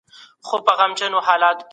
يو محصل په کمپيوټر کي سبق لولي.